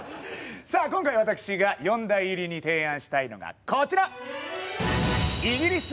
さあ今回私が四大入りに提案したいのがこちら！